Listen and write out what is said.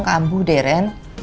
kambu deh ren